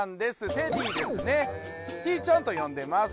ティちゃんと呼んでます。